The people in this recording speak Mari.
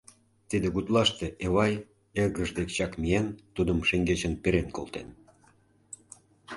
Тиде гутлаште Эвай, эргыж дек чак миен, тудым шеҥгечын перен колтен.